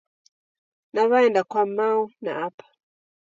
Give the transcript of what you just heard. Naw'aenda kwa mao na apa.